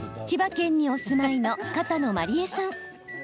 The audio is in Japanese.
千葉県にお住まいの片野真里絵さん。